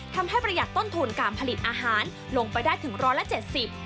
ทำให้ประหยัดต้นทุนการผลิตอาหารลงไปได้ถึง๑๗๐บาท